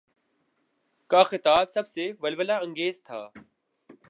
کا خطاب سب سے ولولہ انگیز تھا۔